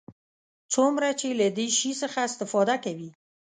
څومره چې له دې شي څخه استفاده کوي.